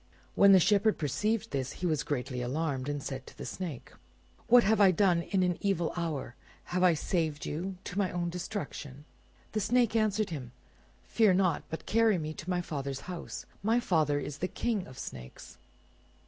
When the Shepherd perceived this, he was greatly alarmed, and said to the Snake— "What have I done in an evil hour? Have I saved you to my own destruction?" The Snake answered him, "Fear not, but carry me to my father's house. My father is the King of the snakes."